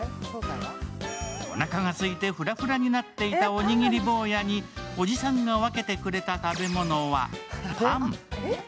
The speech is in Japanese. おなかがすいてふらふらになっていた、おにぎりぼうやにおじさんが分けてくれた食べ物はパン。